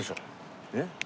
えっ？